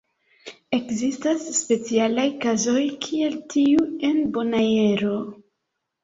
Ekzistas specialaj kazoj kiel tiu en Bonaero.